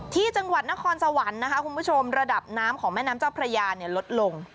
ที่จังหวัดนครสวรรค์นะคะคุณผู้ชมระดับน้ำของแม่น้ำเจ้าพระยาเนี่ยลดลง